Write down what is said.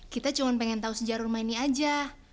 kita cuma pengen tahu sejarah rumah ini aja